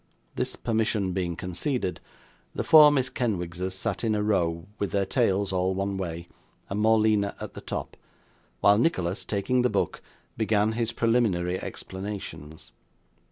This permission being conceded, the four Miss Kenwigses sat in a row, with their tails all one way, and Morleena at the top: while Nicholas, taking the book, began his preliminary explanations.